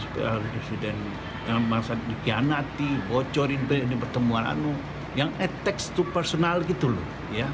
presiden yang dimaksud dikianati bocorin pertemuan yang atax itu personal gitu loh